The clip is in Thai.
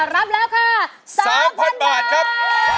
รับแล้วค่ะ๓๐๐๐บาทครับ